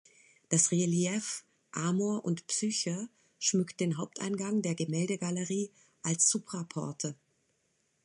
Das Relief „Amor und Psyche“ schmückt den Haupteingang der Gemäldegalerie als Supraporte.